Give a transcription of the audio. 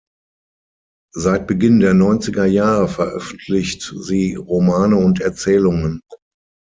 Seit Beginn der Neunzigerjahre veröffentlicht sie Romane und Erzählungen.